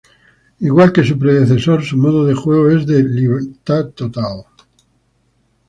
Igual que su predecesor, su modo de juego es de libertad total.